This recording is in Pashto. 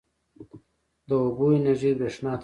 د اوبو انرژي برښنا تولیدوي